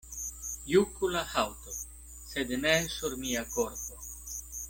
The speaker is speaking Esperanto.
Juku la haŭto, sed ne sur mia korpo.